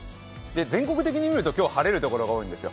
全国的に見ると、今日晴れるところが多いんですよ。